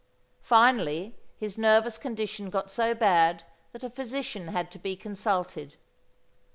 Finally his nervous condition got so bad that a physician had to be consulted.